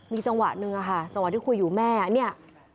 มีจังหวะหนึ่งอะค่ะจังหวะที่คุยอยู่แม่เนี่ย